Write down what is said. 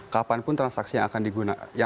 kapanpun transaksi yang akan digunakan